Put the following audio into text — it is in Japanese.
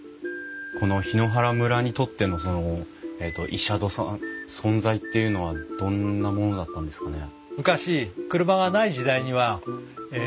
この檜原村にとってのその医者殿さん存在っていうのはどんなものだったんですかね？